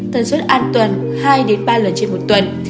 tần suất an toàn hai ba lần trên một tuần